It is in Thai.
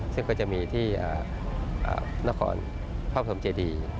ซึ่งก็จะมีที่นครพระพรมเจดี